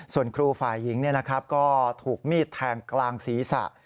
ส่วนครูฝ่ายหญิงก็ถูกมีดแทงกลางศีรษะ